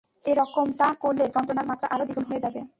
এরকমটা করলে যন্ত্রণার মাত্রা আরো দ্বিগুণ হয়ে যাবে!